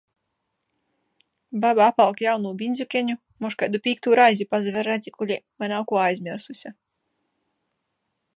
Baba apvalk jaunū bindzukeņu, moš kaidu pīktū reizi pasaver radzikulē, voi nav kū aizmiersuse.